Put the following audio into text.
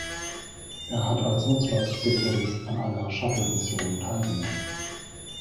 Er hat als Nutzlastspezialist an einer Shuttle-Mission teilgenommen.